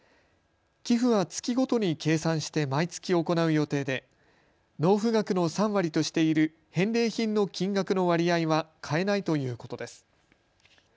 寄付は月ごとに計算して毎月行う予定で納付額の３割としている返礼品の金額の割合は変えないということです。